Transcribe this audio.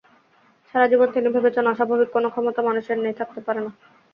সারা জীবন তিনি ভেবেছেন, অস্বাভাবিক কোনো ক্ষমতা মানুষের নেই, থাকতে পারে না।